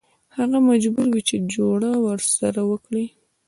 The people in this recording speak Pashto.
هغه مجبور وي چې جوړه ورسره وکړي.